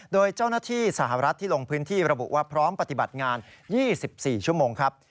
โดยเจ้าหน้าที่สหรัฐที่ลงพื้นที่ระบุว่าพร้อมปฏิบัติงาน๒๔ชั่วโมงครับ